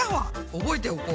覚えておこう。